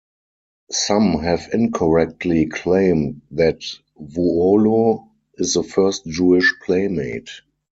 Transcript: Some have incorrectly claimed that Vuolo is the first Jewish Playmate.